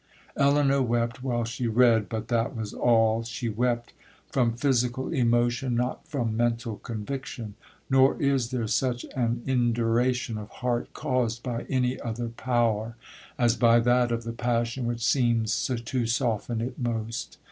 'Elinor wept while she read, but that was all. She wept from physical emotion, not from mental conviction; nor is there such an induration of heart caused by any other power, as by that of the passion which seems to soften it most.